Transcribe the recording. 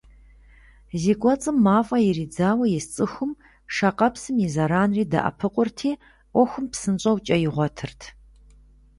Зи кӏуэцӏым мафӏэ иридзауэ ис цӏыхум шакъэпсым и зэранри «дэӏэпыкъурти», ӏуэхум псынщӏэу кӏэ игъуэтырт.